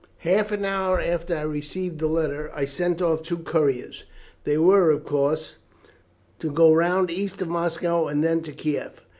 "Half an hour after I received the letter I sent off two couriers. They were, of course, to go round east of Moscow and then to Kieff.